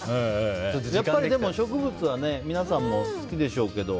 でも、植物は皆さんも好きでしょうけど。